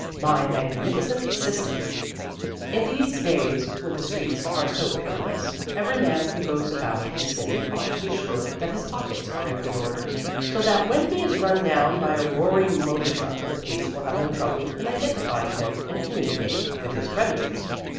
MY MAGNIFICENT SYSTEM In these days when the streets are so perilous, every man who goes about the city ought to be sure that his pockets are in good order, so that when he is run down by a roaring motor truck the police will have no trouble in identifying him and communicating with his creditors.